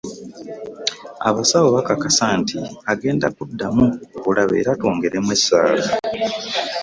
Abasawo bakakasa nti agenda kuddamu okulaba era twongeremu essaala.